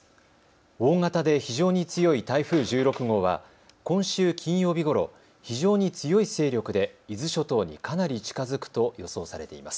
大型で非常に強い台風１６号は今週金曜日ごろ非常に強い勢力で伊豆諸島にかなり近づくと予想されています。